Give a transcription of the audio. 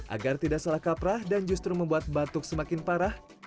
agar tidak salah kaprah dan justru membuat batuk semakin parah